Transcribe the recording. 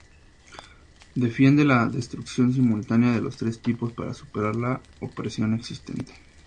Defiende la destrucción simultánea de los tres tipos para superar la opresión existente.